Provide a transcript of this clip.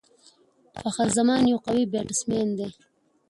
فخر زمان یو قوي بيټسمېن دئ.